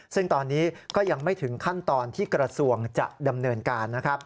ซึ่งตอนนี้ก็ยังไม่ถึงขั้นตอนที่กระทรวงจะดำเนินการนะครับ